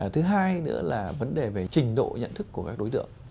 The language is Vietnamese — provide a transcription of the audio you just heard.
thứ hai nữa là vấn đề về trình độ nhận thức của các đối tượng